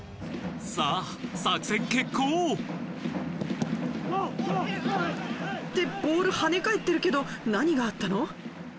さぁ作戦決行！ってボール跳ね返ってるけど何があったの？